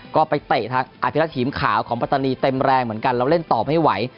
ก็ไปเตะทางอภิรัติหิมขาวของปัตตานีเต็มแรงเหมือนกันแล้วเล่นต่อไม่ไหว